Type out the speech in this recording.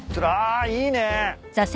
あいいね。